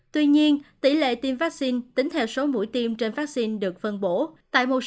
tuy nhiên tỷ lệ tiêm vaccine tính theo số mũi tiêm trên vaccine được phân bổ